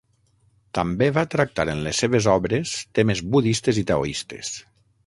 També va tractar en les seves obres temes budistes i taoistes.